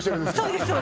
そうです